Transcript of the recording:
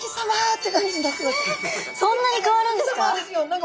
そんなに変わるんですか！？